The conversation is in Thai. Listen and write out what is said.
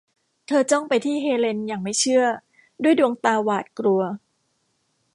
เธอจ้องไปที่เฮเลนอย่างไม่เชื่อด้วยดวงตาหวาดกลัว